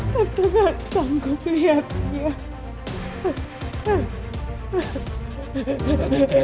tentu gak sanggup lihat ya